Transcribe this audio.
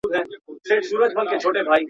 نه یې شرم وو له کلي نه له ښاره.